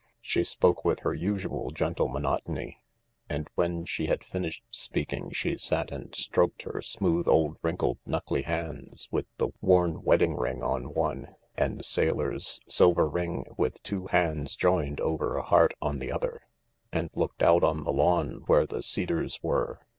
She spoke with her usual gentle monotony. And when she had finished speaking she sat and stroked her smooth old wrinkled knuckly hands with the worn wedding ring on one, and sailor's silver ring with two hands joined over a heart on the other, and looked out on the lawn where the cedars were.